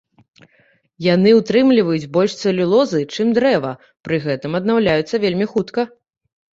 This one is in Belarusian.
Яны ўтрымліваюць больш цэлюлозы, чым дрэва, пры гэтым аднаўляюцца вельмі хутка.